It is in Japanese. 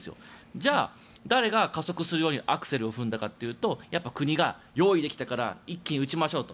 じゃあ、誰が加速するようにアクセルを踏んだかというとやっぱり国が用意できたから一気に打ちましょうと。